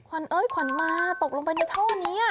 เอ้ยขวัญมาตกลงไปในท่อนี้